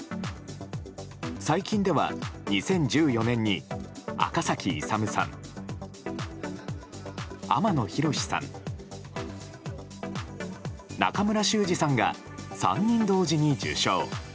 最近では２０１４年に赤崎勇さん、天野浩さん中村修二さんが、３人同時に受賞。